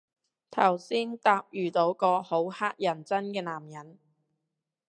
頭先搭遇到個好乞人憎嘅男人